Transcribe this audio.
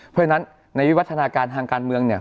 เพราะฉะนั้นในวิวัฒนาการทางการเมืองเนี่ย